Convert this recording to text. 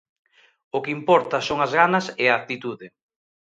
O que importa son as ganas e a actitude.